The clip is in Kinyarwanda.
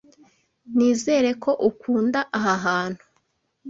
Nizere ko ukunda aha hantu.